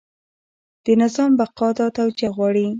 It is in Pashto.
د نظام بقا دا توجیه غواړي.